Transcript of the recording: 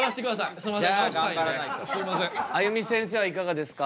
あゆみせんせいはいかがですか？